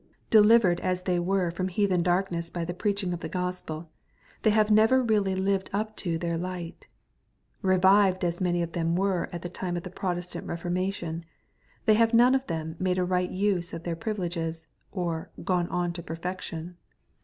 Delivered as they were from heathen darkness by the preaching of the Gospel, they have never really lived up to their light. Eevived as many of them were at the time of the Protestant Keformation, they have none of them made a right use of their privileges, or "gone on to perfection."